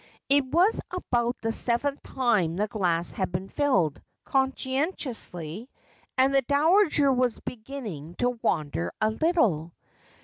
It was about the seventh time the glass had been filled, conscientiously, and the dowager was beginning to wander a little.